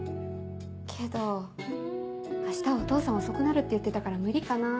けど明日はお父さん遅くなるって言ってたから無理かな。